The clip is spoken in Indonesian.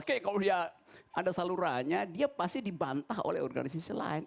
oke kalau dia ada salurannya dia pasti dibantah oleh organisasi lain